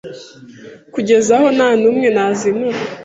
kuagezaho natumwe na azinura